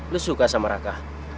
lu suka sama raka